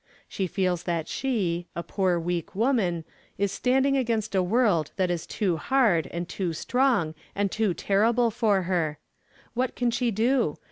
She feels that she, a poor weak woman, is standing against a world that is too hard and too strong and too terrible for her. What can she do?